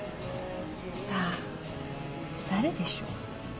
さあ誰でしょう？